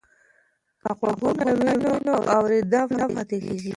که غوږونه وي نو اوریدل نه پاتیږي.